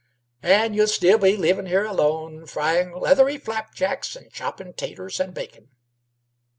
"And you'll still be living here alone, frying leathery slapjacks an' chopping 'taters and bacon."